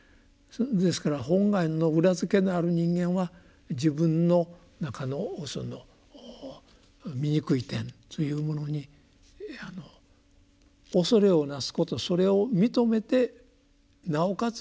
ですから本願の裏付けのある人間は自分の中のその醜い点というものに恐れをなすことそれを認めてなおかつ